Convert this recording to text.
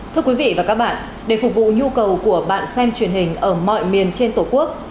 thưa quý vị và các bạn để phục vụ nhu cầu của bạn xem truyền hình ở mọi miền trên tổ quốc